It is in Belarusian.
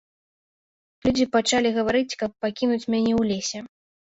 Людзі пачалі гаварыць, каб пакінуць мяне ў лесе.